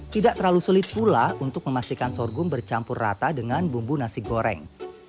tidak terlalu sulit pula untuk memastikan sorghum bercampur rata dengan bumbu nasi goreng